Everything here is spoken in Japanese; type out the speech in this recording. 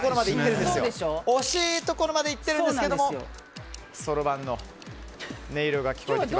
惜しいところまで行っていますがそろばんの音色が聞こえます。